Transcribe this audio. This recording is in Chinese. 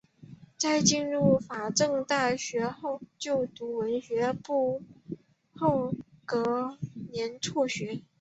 在进入法政大学就读文学部后的隔年辍学。